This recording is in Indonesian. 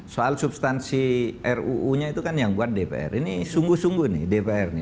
soal substansi ruu nya itu kan yang buat dpr ini sungguh sungguh nih dpr nih